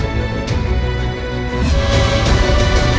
รักที่เสียดายน้อง